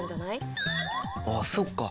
あっそっか！